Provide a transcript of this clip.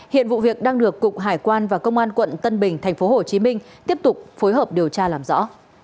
hiện vụ việc đang được cục hải quan và công an quận tân bình tp hcm tiếp tục phối hợp điều tra làm rõ